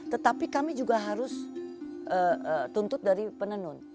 tetapi kami juga harus tuntut dari penenun